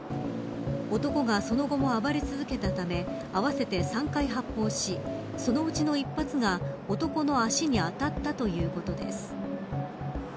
男がその後も暴れ続けたため合わせて３回発砲しそのうちの１発が、男の足に当たったということです。